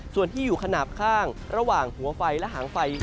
ส่วนที่อยู่ขนาดข้างระหว่างหัวไฟและหางไฟ